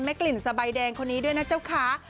กลิ่นสบายแดงคนนี้ด้วยนะเจ้าค้า